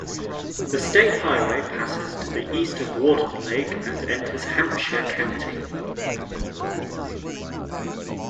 The state highway passes to the east of Warden Lake and enters Hampshire County.